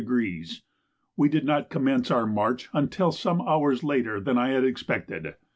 We did not commence our march until some hours later than I had expected.